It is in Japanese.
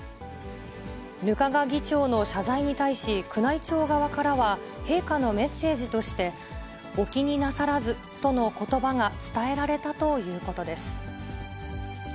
額賀議長の謝罪に対し、宮内庁側からは、陛下のメッセージとして、お気になさらずとのことばが伝えられたということです。